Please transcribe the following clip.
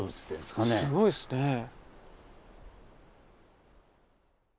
すごいですねぇ。